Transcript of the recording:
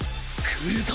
来るぞ